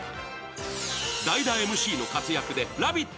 代打ＭＣの活躍で「ラヴィット！」